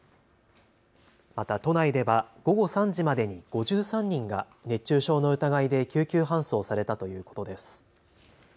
また都内では午後３時までに５３人が熱中症の疑いで救急搬送されたということです。